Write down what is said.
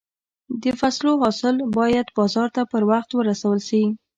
د فصلو حاصل باید بازار ته پر وخت ورسول شي.